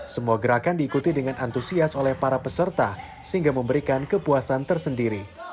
semua gerakan diikuti dengan antusias oleh para peserta sehingga memberikan kepuasan tersendiri